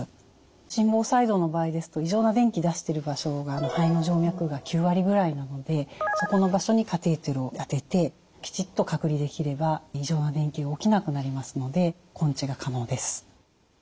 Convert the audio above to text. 心房細動の場合ですと異常な電気出している場所が肺の静脈が９割ぐらいなのでそこの場所にカテーテルを当ててきちっと隔離できれば異常な電気が起きなくなりますので根治が可能です。